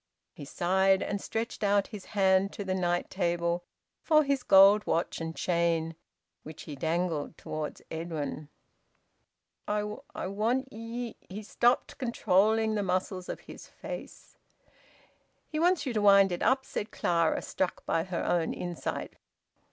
He sighed, and stretched out his hand to the night table for his gold watch and chain, which he dangled towards Edwin. "I want ye " He stopped, controlling the muscles of his face. "He wants you to wind it up," said Clara, struck by her own insight.